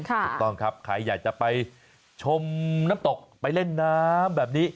ถูกต้องครับใครอยากจะไปชมน้ำตกไปเล่นน้ำแบบนี้